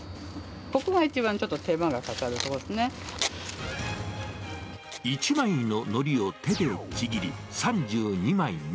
ここが一番、ちょっと手間がかか１枚ののりを手でちぎり、３２枚に。